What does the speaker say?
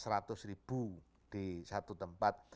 seratus ribu di satu tempat